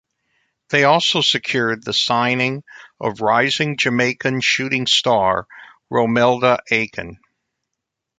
They also secured the signing of rising Jamaican shooting star Romelda Aiken.